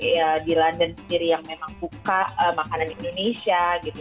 ya di london sendiri yang memang buka makanan indonesia gitu